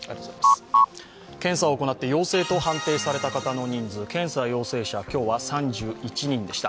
検査を行って陽性と判定された方の人数検査陽性者、今日は３１人でした。